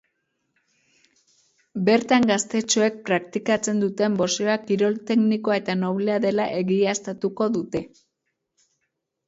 Bertan, gaztetxoek praktikatzen duten boxeoa kirol teknikoa eta noblea dela egiaztatuko dute.